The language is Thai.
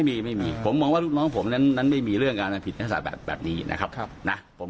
ไม่มีผมมองว่าลูกน้องผมนั้นไม่มีเรื่องการทำผิดกฎหมายแบบนี้นะครับ